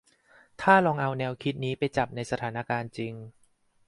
ถ้าลองเอาแนวคิดนี้ไปจับในสถานการณ์จริง